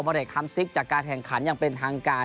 ผลิตคำสิทธิ์จากการแข่งขันยังเป็นทางการ